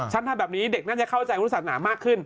ฉันถ้าแบบนี้เด็กนั้นจะเข้าใจคุณศาสนามากขึ้น